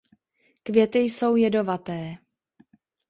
Květy jsou jedovaté.